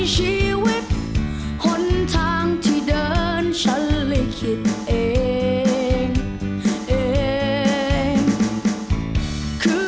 ขอบคุณทุกคนที่ชักใจ